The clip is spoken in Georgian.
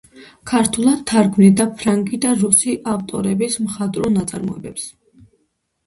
ქართულად თარგმნიდა ფრანგი და რუსი ავტორების მხატვრულ ნაწარმოებებს.